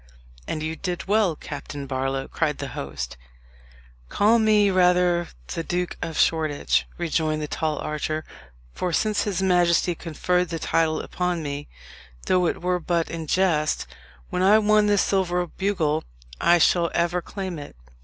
"And you did well, Captain Barlow," cried the host. "Call me rather the Duke of Shoreditch," rejoined the tall archer; "for since his majesty conferred the title upon me, though it were but in jest, when I won this silver bugle, I shall ever claim it.